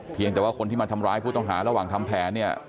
แต่ว่าคนที่มาทำร้ายผู้ต้องหาระหว่างทำแผนเนี่ย